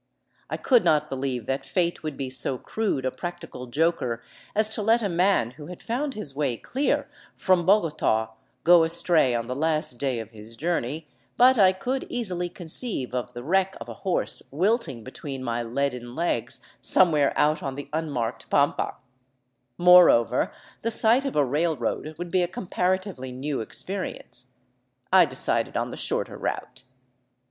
I could not believe that fate would be so crude a practical joker as to let a man who had found his way clear from Bogota go astray on the last day of his journey, but I could easily conceive of the wreck of a horse wilting between my leaden legs somewhere out on the unmarked pampa; moreover, the sight of a railroad would be a comparatively new experience. I decided on the shorter route.